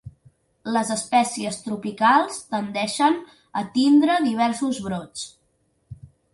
Les espècies tropicals tendixen a tindre diversos brots.